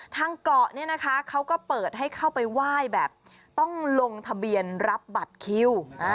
ทางเกาะเนี่ยนะคะเขาก็เปิดให้เข้าไปไหว้แบบต้องลงทะเบียนรับบัตรคิว